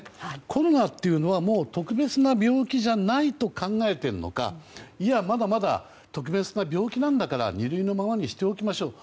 コロナっていうのは、もう特別な病気じゃないと考えているのかいや、まだまだ特別な病気なんだから二類のままにしておきましょうと